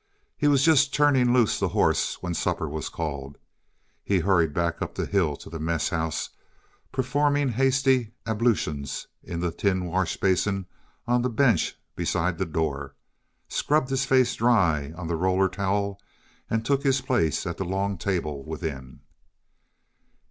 He was just turning loose the horse when supper was called. He hurried back up the hill to the mess house, performed hasty ablutions in the tin wash basin on the bench beside the door, scrubbed his face dry on the roller towel, and took his place at the long table within.